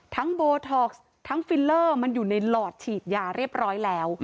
โบท็อกซ์ทั้งฟิลเลอร์มันอยู่ในหลอดฉีดยาเรียบร้อยแล้ว